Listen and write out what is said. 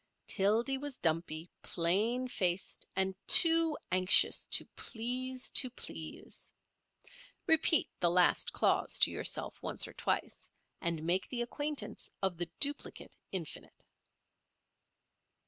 Tildy was dumpy, plain faced, and too anxious to please to please. Repeat the last clause to yourself once or twice, and make the acquaintance of the duplicate infinite.